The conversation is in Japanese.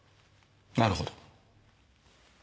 なるほど。